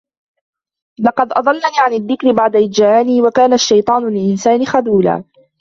لقد أضلني عن الذكر بعد إذ جاءني وكان الشيطان للإنسان خذولا